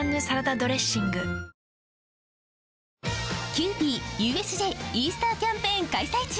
キユーピーＵＳＪイースターキャンペーン開催中！